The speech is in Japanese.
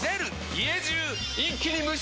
家中一気に無臭化！